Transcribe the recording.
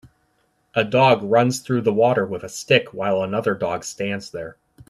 A dog runs through the water with a stick while another dog stands there.